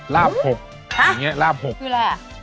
ลาบ๖อย่างนี้ลาบ๖ไหน